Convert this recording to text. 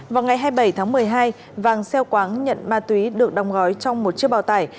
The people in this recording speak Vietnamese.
vào ngày hai mươi bảy tháng một mươi hai vàng xeo quáng nhận ma túy được đồng gói trong một chiếc bào tải